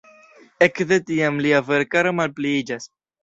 Ekde tiam lia verkaro malpliiĝas.